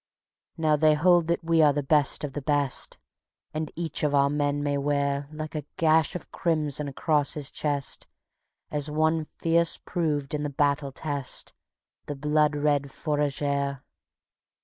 Now they hold that we are the best of the best, And each of our men may wear, Like a gash of crimson across his chest, As one fierce proved in the battle test, The blood red Fourragère.